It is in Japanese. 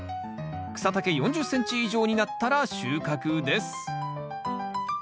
草丈４０ｃｍ以上になったら収穫です